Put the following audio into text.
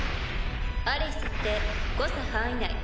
アレイ設定誤差範囲内。